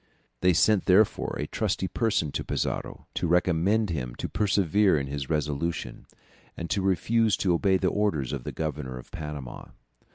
They sent therefore a trusty person to Pizarro, to recommend him to persevere in his resolution, and to refuse to obey the orders of the Governor of Panama.